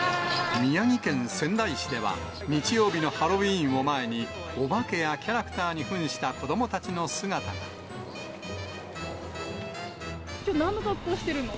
宮城県仙台市では、日曜日のハロウィンを前に、お化けやキャラクターにふんしたきょう、なんの格好してるの？